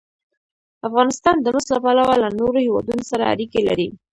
افغانستان د مس له پلوه له نورو هېوادونو سره اړیکې لري.